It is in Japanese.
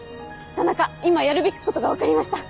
田中今やるべきことが分かりました！